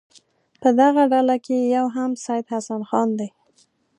په دغه ډله کې یو هم سید حسن خان دی.